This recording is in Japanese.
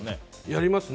やりますね。